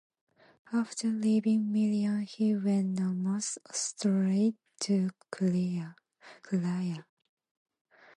After leaving Miriam he went almost straight to Clara.